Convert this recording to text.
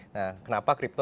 nah kenapa kripto